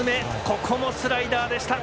ここもスライダーでした。